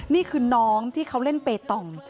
นี่คือน้องที่เขาเล่นเปตอง